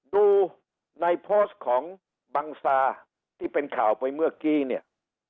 ดูในโพสต์ของบังซาที่เป็นข่าวไปเมื่อกี้เนี่ย